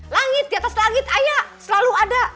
langit di atas langit ayah selalu ada